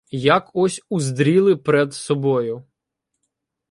Як ось уздріли пред собою